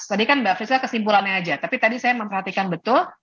tadi kan mbak frisa kesimpulannya aja tapi tadi saya memperhatikan betul